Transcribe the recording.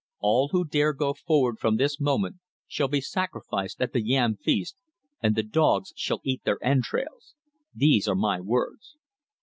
All who dare go forward from this moment shall be sacrificed at the yam feast and the dogs shall eat their entrails. These are my words."